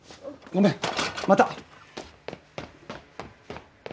ごめんまた！